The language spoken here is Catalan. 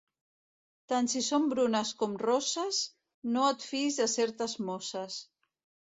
Tant si són brunes com rosses, no et fiïs de certes mosses.